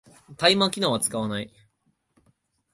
タイマー機能は使わない